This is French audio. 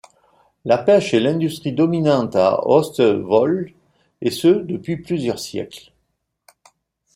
La pêche est l'industrie dominante à Austevoll, et ce depuis plusieurs siècles.